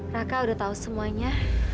raka udah tahu semuanya